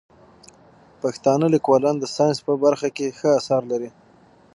پښتانه لیکوالان د ساینس په برخه کې ښه اثار لري.